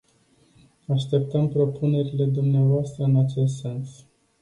Așteptăm propunerile dvs. în acest sens.